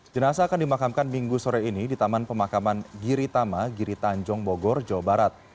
jenasa akan dimakamkan minggu sore ini di taman pemakaman giritama giri tanjong bogor jawa barat